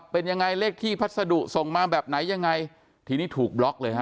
เป็นยังไงเลขที่พัสดุส่งมาแบบไหนยังไงทีนี้ถูกบล็อกเลยฮะ